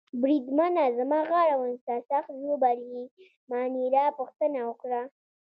بریدمنه زما غاړه ونیسه، سخت ژوبل يې؟ مانیرا پوښتنه وکړه.